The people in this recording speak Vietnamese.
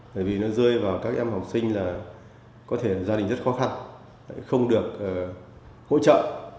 bởi vì nó rơi vào các em học sinh là có thể gia đình rất khó khăn không được hỗ trợ